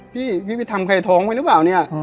พี่พี่ไปทำใครท้องไว้หรือเปล่าเนี่ย